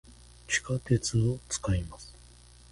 地下鉄を、使います。